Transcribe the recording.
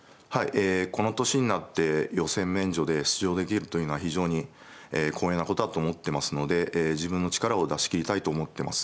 えこの年になって予選免除で出場できるというのは非常に光栄なことだと思ってますので自分の力を出し切りたいと思ってます。